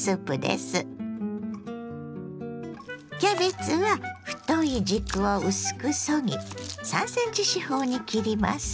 キャベツは太い軸を薄くそぎ３ｃｍ四方に切ります。